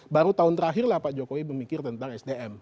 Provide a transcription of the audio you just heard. baru tahun terakhirlah pak jokowi memikir tentang sdm